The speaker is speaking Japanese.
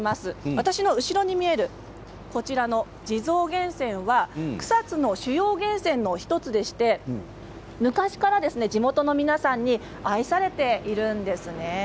私の後ろに見えるこちらの地蔵源泉は草津の主要源泉の１つでして昔から地元の皆さんに愛されているんですね。